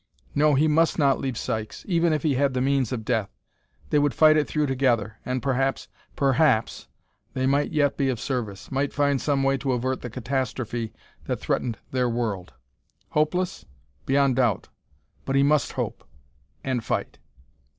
No, he must not leave Sykes, even if he had the means of death. They would fight it through together, and perhaps perhaps they might yet be of service, might find some way to avert the catastrophe that threatened their world. Hopeless? Beyond doubt. But he must hope and fight!